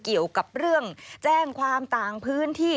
เกี่ยวกับเรื่องแจ้งความต่างพื้นที่